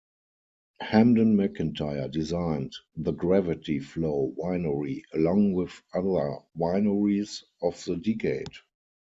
Hamden McIntyre designed the gravity flow winery along with other wineries of the decade.